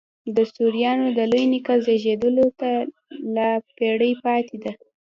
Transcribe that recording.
د سوریانو د لوی نیکه زېږېدلو ته لا پېړۍ پاته دي.